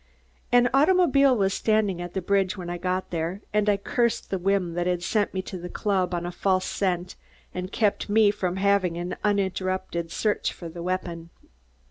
An automobile was standing at the bridge when I got there and I cursed the whim that had sent me to the club on a false scent and kept me from having an uninterrupted search for the weapon.